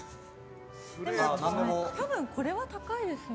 多分、これは高いですよね。